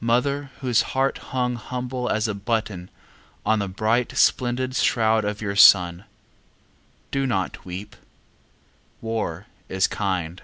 Mother whose heart hung humble as a button On the bright splendid shroud of your son, Do not weep. War is kind.